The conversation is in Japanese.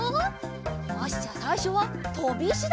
よしじゃあさいしょはとびいしだ！